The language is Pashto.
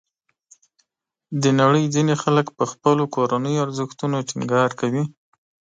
د نړۍ ځینې خلک په خپلو کورنیو ارزښتونو ټینګار کوي.